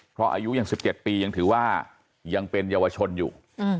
เพราะอายุยัง๑๗ปียังถือว่ายังเป็นเยาวชนอยู่